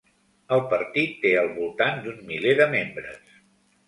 El partit té al voltant d'un miler de membres.